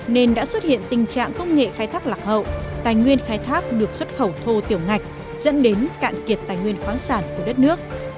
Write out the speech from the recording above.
nên đã xuất hiện tình trạng công nghệ khai thác lạc hậu tài nguyên khai thác được xuất khẩu thô tiểu ngạch dẫn đến cạn kiệt tài nguyên khoáng sản của đất nước